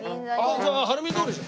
じゃあ晴海通りでしょ。